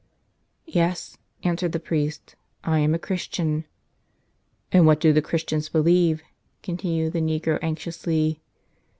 "Yes," answered the priest, "I am a Christian." "And what do the Christians believe?" continued the negro anxiously.